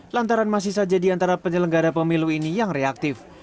lantaran masih saja di antara penyelenggara pemilu ini yang reaktif